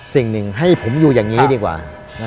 สิ่งหนึ่งให้ผมอยู่อย่างนี้ดีกว่า